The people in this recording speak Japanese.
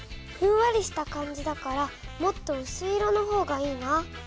ふんわりした感じだからもっとうすい色の方がいいな。